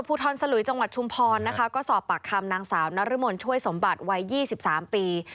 ภูทรสลุยจังหวัดชุมพรนะคะก็สอบปากคำนางสาวนรมนช่วยสมบัติวัย๒๓ปี